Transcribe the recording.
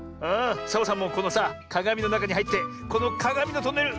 サボさんもこのさかがみのなかにはいってこのかがみのトンネル